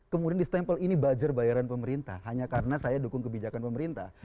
kemudian di stempel ini buzzer bayaran pemerintah hanya karena saya dukung kebijakan pemerintah